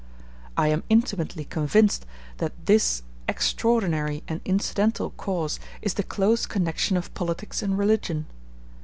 I am intimately convinced that this extraordinary and incidental cause is the close connection of politics and religion.